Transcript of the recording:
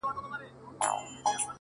زما د ژوند د كرسمې خبري;